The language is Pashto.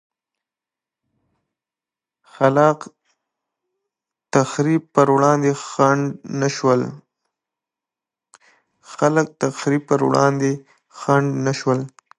خلا ق تخریب پر وړاندې خنډ نه شول.